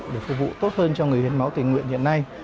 để phục vụ tốt hơn cho người hiến máu tình nguyện hiện nay